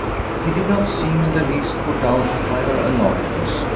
He did not seem in the least put out by her annoyance.